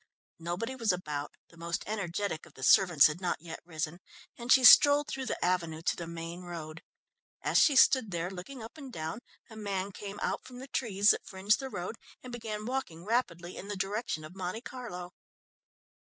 Nobody was about, the most energetic of the servants had not yet risen, and she strolled through the avenue to the main road. As she stood there looking up and down a man came out from the trees that fringed the road and began walking rapidly in the direction of Monte Carlo.